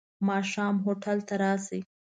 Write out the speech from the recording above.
ماښام هوټل ته راشې.